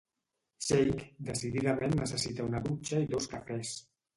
Xeic, decididament necessita una dutxa i dos cafès.